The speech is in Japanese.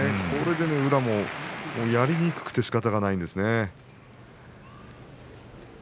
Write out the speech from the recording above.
これで宇良もやりにくくてしかたがないんですね。